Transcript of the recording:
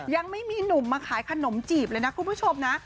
ยังไม่มีหนุ่มมาขายขนมจีบเลยนะคุณผู้ชมนะ